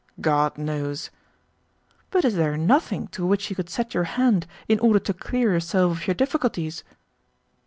"God knows." "But is there NOTHING to which you could set your hand in order to clear yourself of your difficulties?"